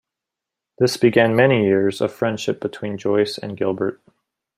This began many years of friendship between Joyce and Gilbert.